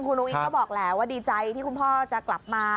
คุณอุ้งก็บอกแหละว่าดีใจที่คุณพ่อจะกลับมา